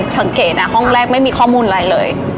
สังเกตห้องแรกไม่มีข้อมูลอะไรเลย